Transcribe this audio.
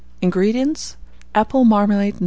INGREDIENTS. Apple marmalade No.